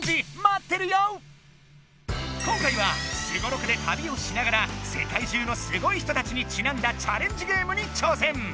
今回はすごろくでたびをしながら世界中のスゴい人たちにちなんだチャレンジゲームに挑戦！